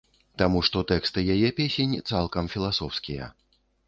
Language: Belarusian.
Таму што тэксты яе песень цалкам філасофскія.